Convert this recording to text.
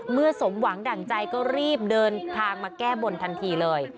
สมหวังดั่งใจก็รีบเดินทางมาแก้บนทันทีเลย